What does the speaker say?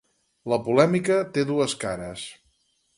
La polèmica té dues cares.